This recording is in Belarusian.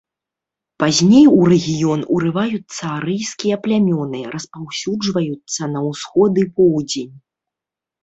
Пазней у рэгіён урываюцца арыйскія плямёны, распаўсюджваюцца на ўсход і поўдзень.